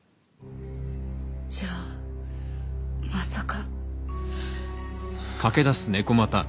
じゃあまさか。